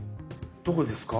どこですか？